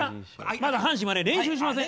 まず阪神はね練習しません。